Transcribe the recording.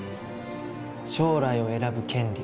将来を選ぶ権利。